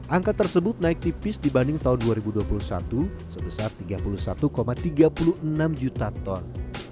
angka tersebut naik tipis dibanding tahun dua ribu dua puluh satu sebesar tiga puluh satu tiga puluh enam juta ton